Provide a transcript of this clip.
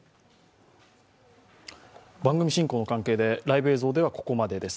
番組進行の関係で、ライブ映像ではここまでです。